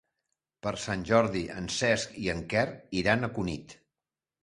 Per Sant Jordi en Cesc i en Quer iran a Cunit.